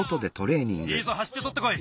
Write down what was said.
いいぞはしってとってこい。